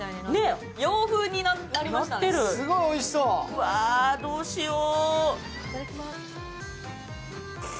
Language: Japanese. うわー、どうしよう。